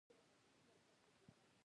خو دوی خپلې الوتکې ترمیموي.